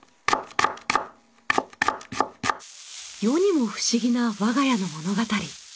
世にも不思議な我が家の物語。